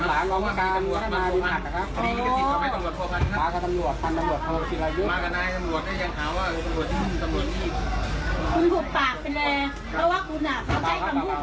หลวงนี้คุณถูกปากเป็นแรงเพราะคุณเขาได้ทำผู้ผิด